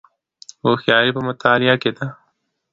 هوښیاري په مطالعې کې ده